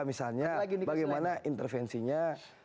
misalnya bagaimana intervensinya